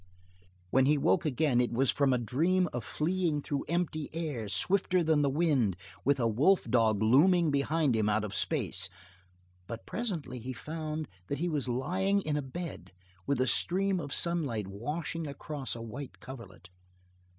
When he woke again, it was from a dream of fleeing through empty air swifter than the wind with a wolf dog looming behind him out of space, but presently he found that he was lying in a bed with a stream of sunlight washing across a white coverlet.